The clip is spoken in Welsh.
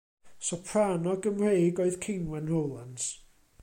Soprano Gymreig oedd Ceinwen Rowlands.